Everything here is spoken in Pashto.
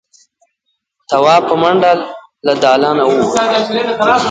تواب په منډه له دالانه ووت.